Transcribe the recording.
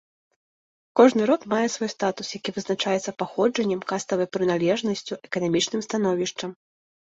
Кожны род мае свой статус, які вызначаецца паходжаннем, каставай прыналежнасцю, эканамічным становішчам.